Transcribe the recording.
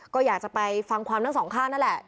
ก็อยากจะไปฟังความทั้งสองข้างนั่นแหละ